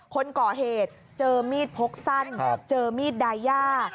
คนก่อเหตุเจอมีดพกสั้นเจอมีดดายา